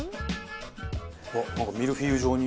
あっなんかミルフィーユ状に。